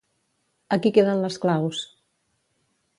Aquí queden les claus.